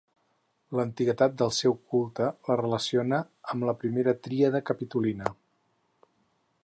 L'antiguitat del seu culte la relaciona amb la primera tríada capitolina.